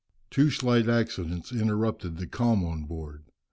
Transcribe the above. ] Two slight accidents interrupted the calm on board.